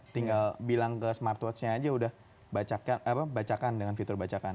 tinggal bilang ke smartwatch nya aja udah bacakan dengan fitur bacakan